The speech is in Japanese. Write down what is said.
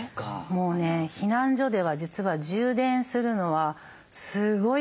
もうね避難所では実は充電するのはすごい争いになるんですよ。